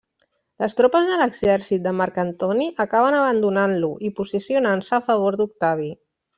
Les tropes de l'exèrcit de Marc Antoni acaben abandonant-lo i posicionant-se a favor d'Octavi.